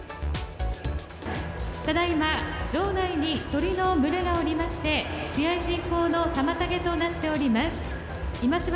ただいま場内に鳥の群れがおりまして、試合進行の妨げとなっております。